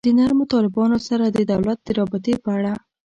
د نرمو طالبانو سره د دولت د رابطې په اړه.